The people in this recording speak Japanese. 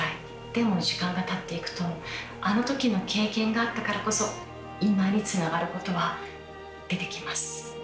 でも時間がたっていくとあの時の経験があったからこそ今につながることは出てきます。